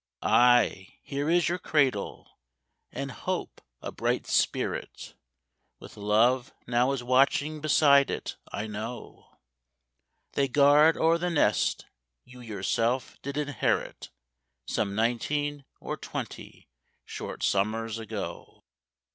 Aye, here is your cradle! and Hope, a bright spirit, With Love now is watching beside it, I know; They guard o'er the nest you yourself did inherit Some nineteen or twenty short summers ago.